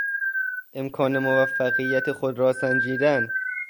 امکان موفقیت خود را سنجیدن